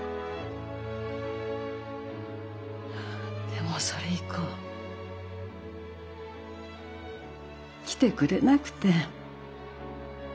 でもそれ以降来てくれなくて。